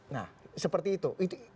nah seperti itu